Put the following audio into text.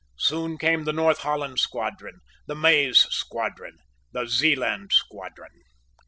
Soon came the North Holland squadron, the Maes squadron, the Zealand squadron.